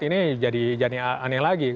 ini jadi aneh lagi